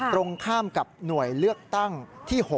ตรงข้ามกับหน่วยเลือกตั้งที่๖